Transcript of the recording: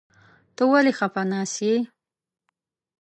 ته ولې خپه ناست يې ؟